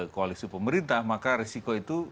koalisi pemerintah maka risiko itu